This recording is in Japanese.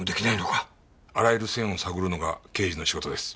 あらゆる線を探るのが刑事の仕事です。